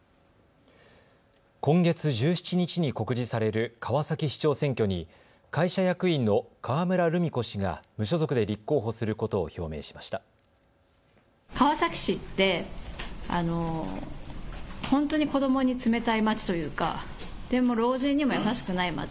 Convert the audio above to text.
今月１７日に告示される川崎市長選挙に会社役員の川村るみ子氏が無所属で立候補することを表明しました。